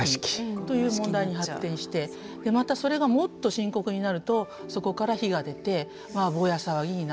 という問題に発展してまたそれがもっと深刻になるとそこから火が出てボヤ騒ぎになると。